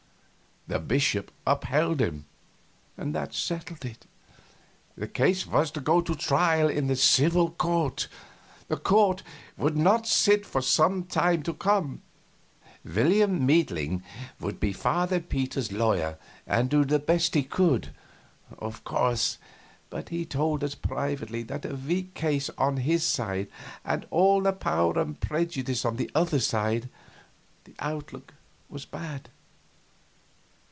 The bishop upheld him. That settled it; the case would go to trial in the civil court. The court would not sit for some time to come. Wilhelm Meidling would be Father Peter's lawyer and do the best he could, of course, but he told us privately that a weak case on his side and all the power and prejudice on the other made the outlook bad.